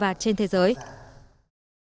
cảm ơn các bạn đã theo dõi và hẹn gặp lại